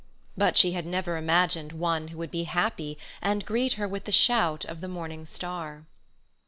But she had never imagined one who would be happy and greet her with the shout of the morning star.